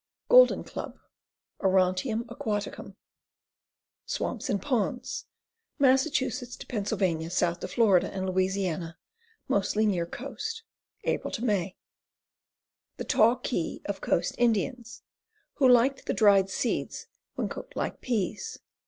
Golden Club. Orontium aquaticum. Swamps and ponds. Mass. to Pa., south to Fla. and La., mostly near coast. Apr May. The Taw kee of coast Indians, who liked the dried seeds when cooked like peas.